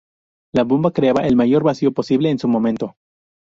La bomba creaba el mayor vacío posible en su momento.